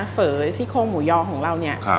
ฝะซิโคมหมูยอลของเรานี้